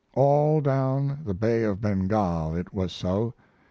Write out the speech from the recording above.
All down the Bay of Bengal it was so.